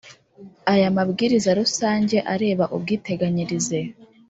Aya mabwiriza rusange areba ubwiteganyirize